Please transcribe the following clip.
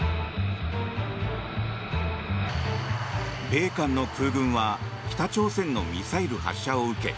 米韓の空軍は北朝鮮のミサイル発射を受け